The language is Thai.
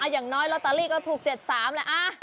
อย่างน้อยลอตเตอรี่ก็ถูก๗๓แหละ